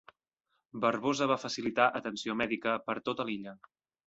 Barbosa va facilitar atenció mèdica per tota l'illa.